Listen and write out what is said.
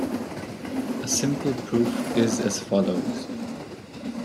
A simple proof is as follows.